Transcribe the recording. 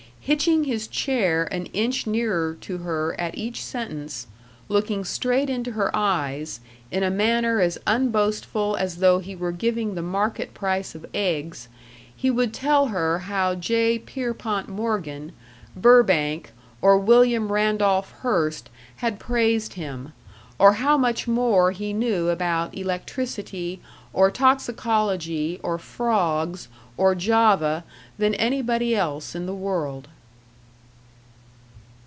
Hitching his chair an inch nearer to her at each sentence, looking straight into her eyes, in a manner as unboastful as though he were giving the market price of eggs, he would tell her how J. Pierpont Morgan, Burbank, or William Randolph Hearst had praised him; or how much more he knew about electricity or toxicology or frogs or Java than anybody else in the world.